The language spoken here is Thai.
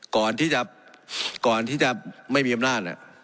ก่อนที่จะไม่มีอำนาจ